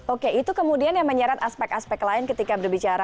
oke itu kemudian yang menyeret aspek aspek lain ketika berbicara